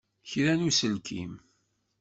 Kra n uselkim!